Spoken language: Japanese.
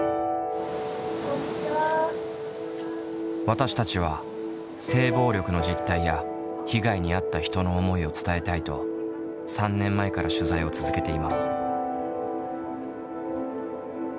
私たちは性暴力の実態や被害に遭った人の思いを伝えたいと３年前から取材を続けています。